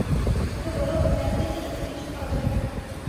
ওকে বলো ম্যাভরিকের জন্য কিছুই করা যাবে না।